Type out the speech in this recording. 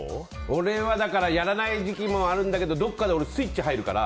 俺はやらない時期もあるんだけどどこかでスイッチ入るから。